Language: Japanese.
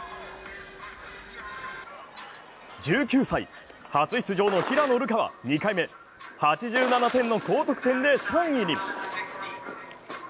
１９歳、初出場の平野流佳は２回目、８７点の高得点で３位に。